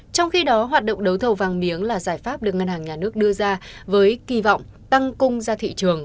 trong khi đó hoạt động đấu thầu vàng miếng là giải pháp được ngân hàng nhà nước đưa ra với kỳ vọng tăng cung ra thị trường